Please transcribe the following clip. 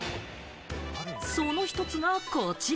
その１つがこちら。